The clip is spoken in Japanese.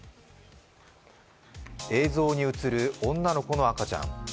映像に映る女の子の赤ちゃん。